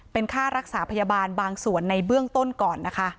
เป็นค่ารักษาพยาบาลบางส่วนในเบื้องต้นก่อนนะคะ